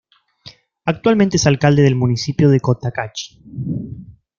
Actualmente es alcalde del municipio de Cotacachi.